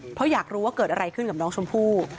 เพราะอยากรู้ว่าเกิดอะไรขึ้นกับน้องชมพู่